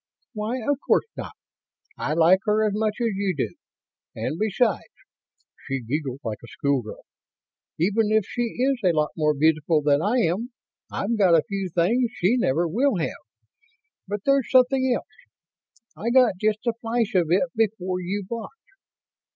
"Why, of course not I like her as much as you do. And besides " she giggled like a schoolgirl "even if she is a lot more beautiful than I am I've got a few things she never will have ... but there's something else. I got just a flash of it before you blocked.